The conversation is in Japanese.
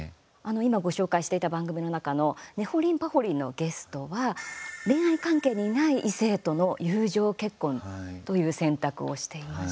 今、ご紹介していた番組の中の「ねほりんぱほりん」のゲストは恋愛関係にない異性との友情結婚という選択をしていました。